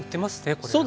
これはね。